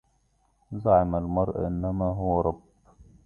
زعم المرء إنما هو رب